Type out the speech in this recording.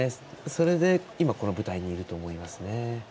それで今、この舞台にいると思いますね。